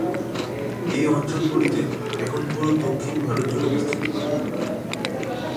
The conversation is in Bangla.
এই অঞ্চলগুলিতে এখন পুরো দক্ষিণ ভারত জুড়ে বিস্তৃত।